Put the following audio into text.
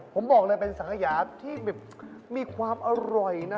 ผมบอกเลยเป็นสังขยาที่แบบมีความอร่อยนะ